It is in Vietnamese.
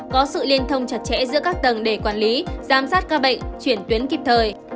có sự liên thông chặt chẽ giữa các tầng để quản lý giám sát ca bệnh chuyển tuyến kịp thời